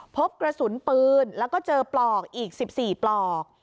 พบกระสุนปืนแล้วก็เจอปลอกอีก๑๔ปลอก